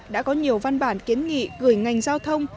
đã có nhiều văn bản kiến nghị gửi ngành giao thông